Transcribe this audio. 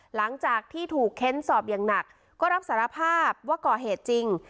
หลังจากที่ถูกเค้นสอบอย่างหนักก็รับสารภาพว่าก่อเหตุจริง